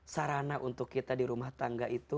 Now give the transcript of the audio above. sarana untuk kita di rumah tangga itu